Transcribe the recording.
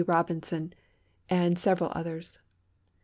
Robinson and several others.